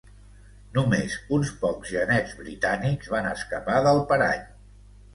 Només uns pocs genets britànics van escapar del parany.